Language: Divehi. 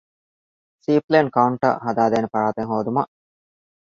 ސީޕްލޭން ކައުންޓަރ ހަދާދޭނެ ފަރާތެއް ހޯދުމަށް